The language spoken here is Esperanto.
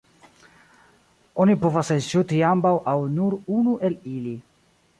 Oni povas elŝuti ambaŭ aŭ nur unu el ili.